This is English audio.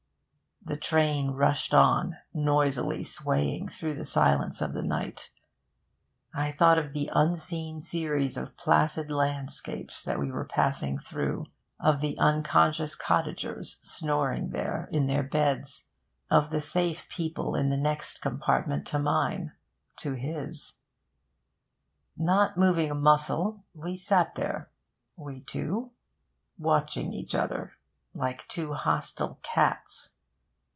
The train rushed on, noisily swaying through the silence of the night. I thought of the unseen series of placid landscapes that we were passing through, of the unconscious cottagers snoring there in their beds, of the safe people in the next compartment to mine to his. Not moving a muscle, we sat there, we two, watching each other, like two hostile cats.